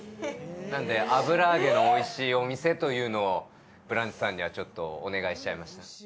なので油揚げのおいしいお店というのを「ブランチ」さんにはお願いしました。